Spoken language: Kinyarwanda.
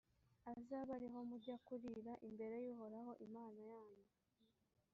azabe ari ho mujya kurira imbere y’uhoraho imana yanyu,